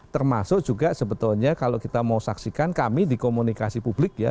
termasuk juga sebetulnya kalau kita mau saksikan kami di komunikasi publik ya